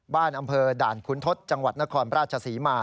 บ้านอำเภอด่านคุณทศจังหวัดนครประชาศีมา